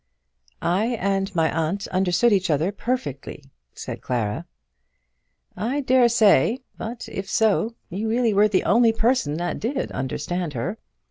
"I and my aunt understood each other perfectly," said Clara. "I dare say. But if so, you really were the only person that did understand her.